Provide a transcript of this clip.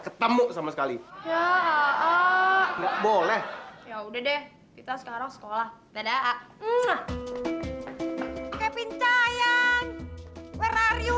ketemu sama sekali boleh ya udah deh kita sekarang sekolah dadah kevin sayang berariu